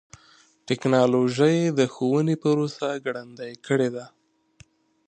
ټکنالوجي د ښوونې پروسه ګړندۍ کړې ده.